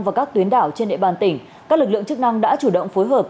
và các tuyến đảo trên địa bàn tỉnh các lực lượng chức năng đã chủ động phối hợp